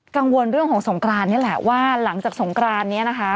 กังวลเรื่องของสงกรานนี่แหละว่าหลังจากสงกรานนี้นะคะ